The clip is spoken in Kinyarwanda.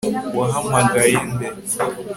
wahamagaye nde